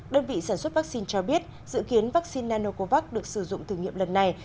đơn vị sản xuất vaccine cho biết dự kiến vaccine nanocovax được sử dụng thử nghiệm lần này